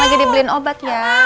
lagi dibeliin obat ya